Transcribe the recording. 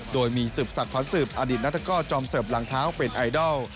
โดยมีสืบศักดิขวัญสืบอดีตนัฐกรจอมเสิร์ฟหลังเท้าเป็นไอดอล